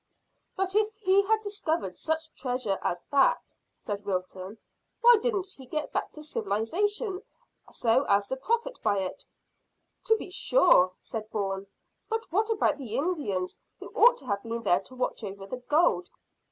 "But if he had discovered such treasure as that," said Wilton, "why didn't he get back to civilisation, so as to profit by it?" "To be sure," said Bourne. "But what about the Indians who ought to have been there to watch over the gold?"